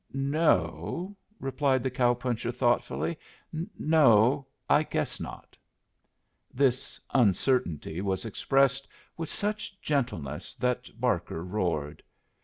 "No," replied the cow puncher, thoughtfully. "No, I guess not." This uncertainty was expressed with such gentleness that Barker roared.